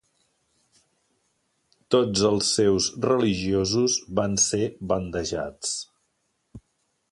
Tots els seus religiosos van ser bandejats.